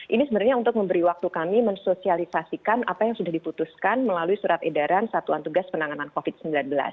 ini sebenarnya untuk memberi waktu kami mensosialisasikan apa yang sudah diputuskan melalui surat edaran satuan tugas penanganan covid sembilan belas